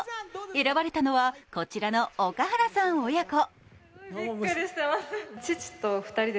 選ばれたのは、こちらの岡原さん親子。